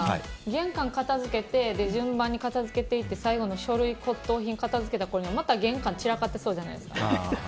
玄関片づけて順番に片づけていって最後の書類・骨董品を片付けたころにはまた玄関散らかってそうじゃないですか。